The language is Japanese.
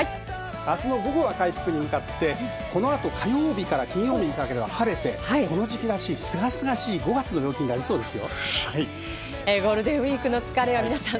明日の午後は回復に向かってこの後、火曜日から金曜日にかけては晴れてこの時期らしい、すがすがしい５月の陽気になりそうです。